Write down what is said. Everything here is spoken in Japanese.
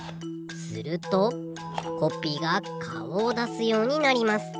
するとコッピーがかおをだすようになります。